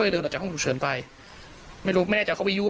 ให้ชี้แจงเรื่องที่เกิดขึ้น